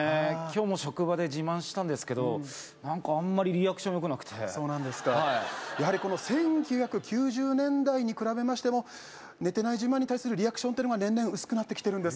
今日も職場で自慢したんですけど何かあんまりリアクションよくなくてそうなんですかやはりこの１９９０年代に比べましても寝てない自慢に対するリアクションが年々薄くなってきてるんですね